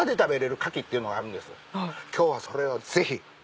今日はそれをぜひ。